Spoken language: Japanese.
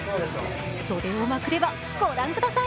袖をまくれば、ご覧ください。